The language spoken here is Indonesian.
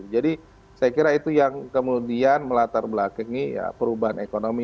jadi saya kira itu yang kemudian melatar belakangi perubahan ekonomi